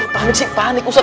panik sih panik ustadz